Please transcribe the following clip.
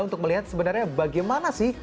untuk melihat sebenarnya bagaimana sih